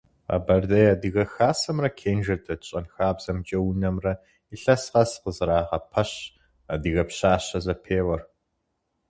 Къэбэрдей адыгэ хасэмрэ Кенжэ дэт щэнхабзэмкӏэ унэмрэ илъэс къэс къызэрагъэпэщ «Адыгэ пщащэ» зэпеуэр.